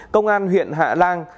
công an huyện hạ lang